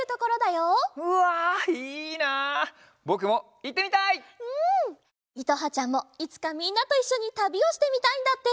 いとはちゃんもいつかみんなといっしょにたびをしてみたいんだって。